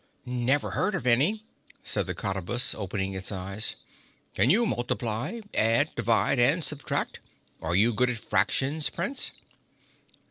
"Never heard of any," said the Cottabus, opening its eyes. "Can you multiply—add—divide and subtract? Are you good at fractions, Prince?"